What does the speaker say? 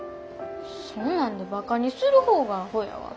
そんなんでバカにする方がアホやわ。